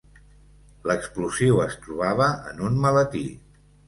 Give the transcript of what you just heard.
L'explosiu es trobava en un maletí.